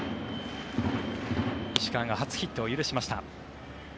石川が初ヒットを許しました。